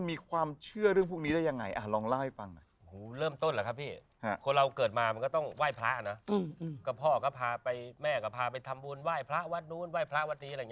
มีความเชื่อถ้วยพวกนี้ได้ยังไงอ่ะลองราวให้ผิวเริ่มต้นเลยครับพี่คนเราเกิดมามันก็ต้องไหว้พระนะยักษ์ก็พอก็พาไปแม่ก็พาไปทำมูลไหว้แพร่วัดนี้